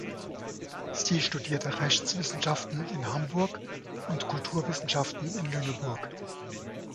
Sie studierte Rechtswissenschaften in Hamburg und Kulturwissenschaften in Lüneburg.